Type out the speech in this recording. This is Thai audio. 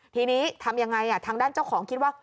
ทีนี้ทำยังไงทางด้านเจ้าของคิดว่า